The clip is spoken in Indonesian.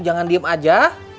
jangan diem aja